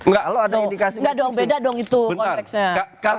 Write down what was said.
enggak dong beda dong itu konteksnya